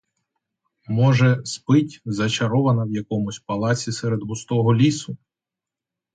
Може, спить, зачарована в якомусь палаці серед густого лісу?